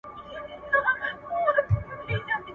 یو چرسي ورته زنګیږي یو بنګي غورځوي څوڼي